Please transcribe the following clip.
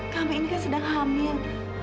kami ini kan sedang hamil